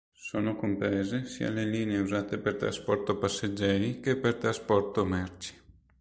Sono comprese sia le linee usate per trasporto passeggeri che per trasporto merci.